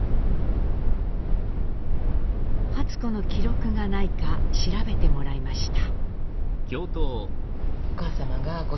初子の記録がないか調べてもらいました。